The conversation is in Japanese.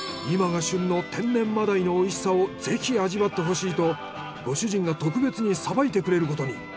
今が旬の天然真鯛の美味しさをぜひ味わってほしいとご主人が特別にさばいてくれることに。